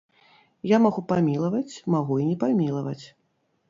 Я магу памілаваць, магу і не памілаваць.